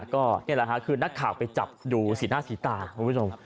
ก็นี่แหละค่ะคือนักข่าวไปจับดูสีหน้าสีตาคุณผู้ชม